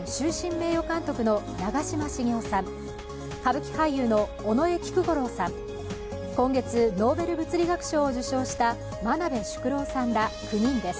名誉監督の長嶋茂雄さん、歌舞伎俳優の尾上菊五郎さん、今月、ノーベル物理学賞を受賞した真鍋淑郎さんら９人です。